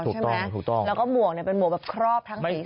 ถูกต้องถูกต้องแล้วก็หมวกเนี้ยเป็นหมวกแบบครอบทั้งศีรษะ